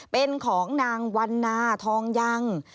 เป็นของนางวันนาทองยัง